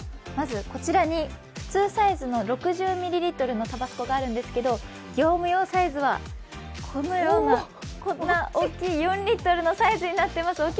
まずこちらに普通サイズの６０ミリリットルのタバスコがあるんですが業務用サイズは、こんな大きい４リットルのサイズになっています。